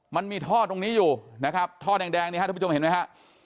มันมีท่อตรงนี้อยู่นะครับท่อแดงนี่ฮะทุกผู้ชมเห็นไหมฮะ